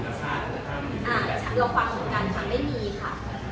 เราฟังกันไม่มีค่ะ